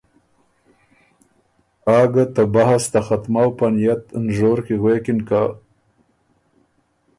آ ګه ته بحث ته ختمؤ په نئت نژور کی غوېکِن که